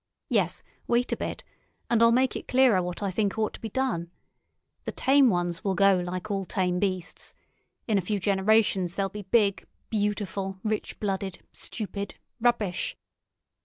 Yes—wait a bit, and I'll make it clearer what I think ought to be done. The tame ones will go like all tame beasts; in a few generations they'll be big, beautiful, rich blooded, stupid—rubbish!